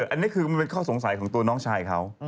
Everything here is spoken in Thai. อันนี้คือมันเป็นข้อสงสัยของตัวน้องชายเขา